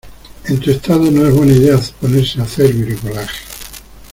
en tu estado no es buena idea ponerse a hacer bricolaje.